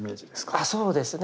あそうですね。